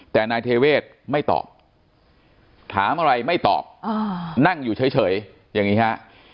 แต่นายเทเวศไม่ตอบถามอะไรไม่ตอบนั่งอยู่เฉยอย่างนี้ฮะ